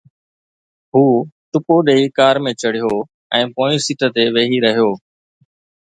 هو ٽپو ڏئي ڪار ۾ چڙهيو ۽ پوئين سيٽ تي ويهي رهيو